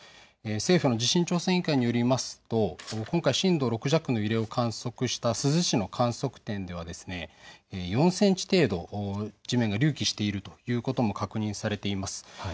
政府の地震調査委員会によりますと今回、震度６弱の揺れを観測した珠洲市の観測点では４センチ程度、地面が隆起しているということも確認されています。